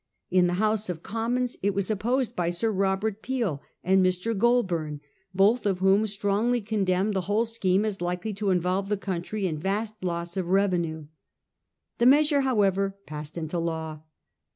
In the House of Commons it was opposed by Sir Robert Peel and Mr. Goulburn, both of whom strongly conde mn ed the whole scheme as likely to involve the country in vast loss of revenue. The measure, however, passed into law.